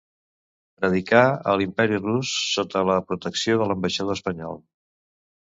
Predicà, a l'Imperi Rus sota la protecció de l'ambaixador espanyol.